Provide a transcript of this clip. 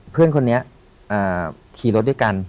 เพื่อนคนนี้ขี่รถด้วยกัน